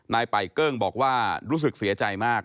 ป่ายเกิ้งบอกว่ารู้สึกเสียใจมาก